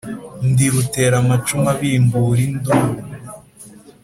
Ndi rutera amacumu abimbura induru,